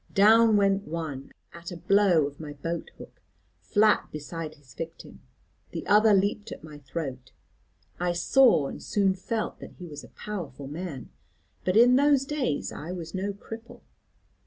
Down went one, at a blow of my boat hook, flat beside his victim: the other leaped at my throat. I saw and soon felt that he was a powerful man, but in those days I was no cripple.